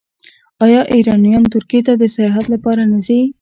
آیا ایرانیان ترکیې ته د سیاحت لپاره نه ځي؟